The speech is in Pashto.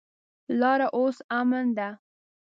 لاره اوس امن ده.